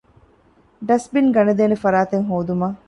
ޑަސްބިން ގަނެދޭނެ ފަރާތެއް ހޯދުމަށް